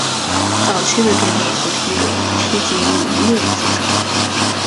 早期的电动扶梯的梯级以木制成。